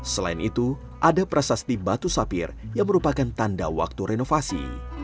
selain itu ada prasasti batu sapir yang merupakan tanda waktu renovasi